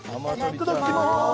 いただきます